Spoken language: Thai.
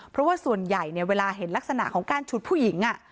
เพราะว่าส่วนใหญ่เวลาเห็นลักษณะของการฉุดผู้หญิง